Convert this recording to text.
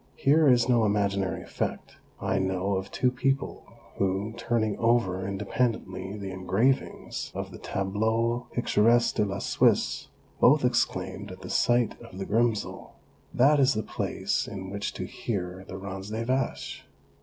Here is no imaginary effect ; I know of two people who, turning over independently the engravings of the Tableaux piitoresque dc la Suisse, both exclaimed at the sight of Grimsel :" That is the place in which to hear the Rans des vaches